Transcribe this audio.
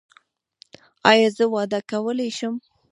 ایا زه واده کولی شم؟